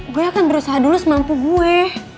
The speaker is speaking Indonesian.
gue akan berusaha dulu semampu gue